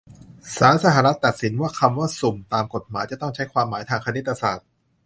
ศาลสหรัฐตัดสินว่า คำว่า "สุ่ม" ตามกฎหมาย จะต้องใช้ตามความหมายทางคณิตศาสตร์